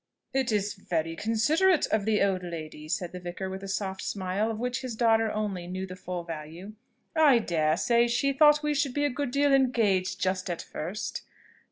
"It is very considerate of the old lady," said the vicar, with a soft smile, of which his daughter only knew the full value. "I dare say she thought we should be a good deal engaged just at first....